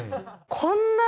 こんな。